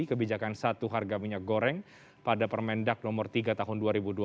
kebijakan satu harga minyak goreng pada permendak nomor tiga tahun dua ribu dua puluh